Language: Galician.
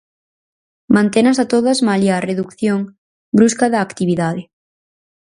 Mantenas a todas malia a redución brusca da actividade.